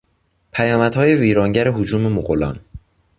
پیامدهای ویرانگر هجوم مغولان